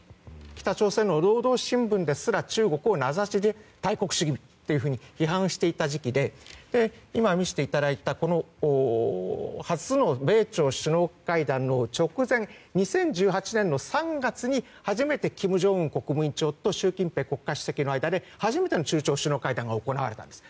北朝鮮の労働新聞ですら中国を名指しで大国主義というふうに批判していた時期で今、見せていただいた初の米朝首脳会談の直前２０１８年の３月に初めて金正恩国務委員長と習近平国家主席の間で初めての中朝首脳会談が行われたんです。